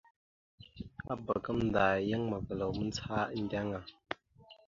Abak gamənda yan mavəlaw mandzəha endeŋa.